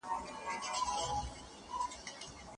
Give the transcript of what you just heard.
ځوان نسل ته باید سمه لارښوونه وسي.